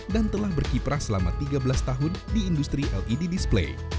dan telah berkiprah selama tiga belas tahun di industri led display